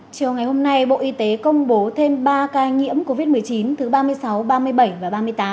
chiều ngày hôm nay bộ y tế công bố thêm ba ca nhiễm covid một mươi chín thứ ba mươi sáu ba mươi bảy và ba mươi tám